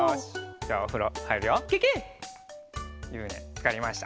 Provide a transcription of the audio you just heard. ゆぶねつかりました。